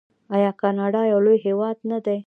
آیا کاناډا یو لوی هیواد نه دی؟